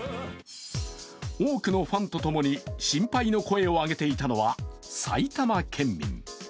多くのファンとともに心配の声を上げていたのは埼玉県民。